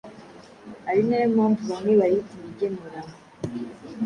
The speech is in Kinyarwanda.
ari na yo mpamvu bamwe bayita imigenurano.